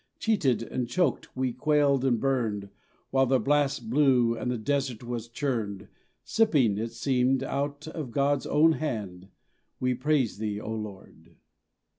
Cheated and choked we quailed and burned, While the blast blew and the desert was churned, Slipping, it seemed, out of God's own hand. We praise Thee, Lord.